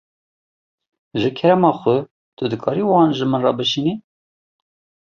Ji kerema xwe tu dikarî wan ji min re bişînî.